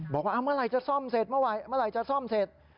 บอกว่าเมื่อไหร่จะซ่อมเสร็จเมื่อไหร่จะซ่อมเสร็จ